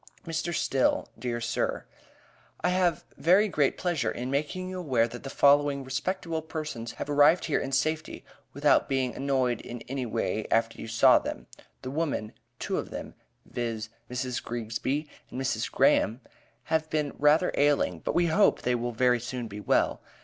MR. STILL, DEAR SIR: I have very great pleasure in making you aware that the following respectable persons have arrived here in safety without being annoyed in any way after you saw them. The women, two of them, viz: Mrs. Greegsby and Mrs. Graham, have been rather ailing, but we hope they will very soon be well.